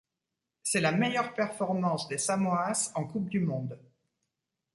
C'est la meilleure performance des Samoas en Coupe du monde.